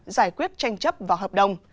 giải quyết tranh chấp vào hợp đồng